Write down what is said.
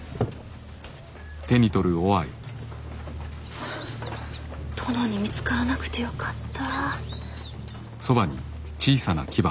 はあ殿に見つからなくてよかった。